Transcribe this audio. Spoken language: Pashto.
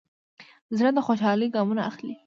زړه د خوشحالۍ ګامونه اخلي.